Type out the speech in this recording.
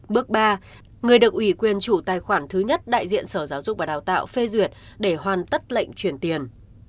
bước ba người được ủy quyền chủ tài khoản thứ nhất đại diện sở giáo dục và đào tạo phê duyệt để hoàn tất lệnh chuyển tiền